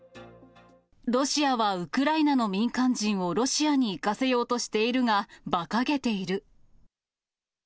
ロシアはウクライナ民間人をロシアに行かせようとしているが、ばかげている。